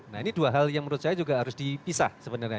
nah ini dua hal yang menurut saya juga harus dipisah sebenarnya